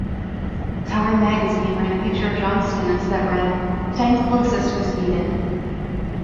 "Time" magazine ran a picture of John Stennis that read: "Technical Assistance Needed.